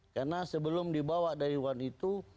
karena sebelum dibawa dari wuhan itu